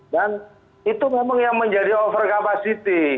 dan itu memang yang menjadi over capacity